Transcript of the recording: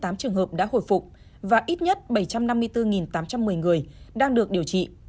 một bốn mươi tám triệu trường hợp đã hồi phục và ít nhất bảy trăm năm mươi bốn tám trăm một mươi người đang được điều trị